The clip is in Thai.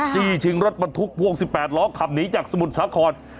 เจ๊ชิงรถมันทุกวง๑๘ล้อขับหนีจากสมุทรสาคอน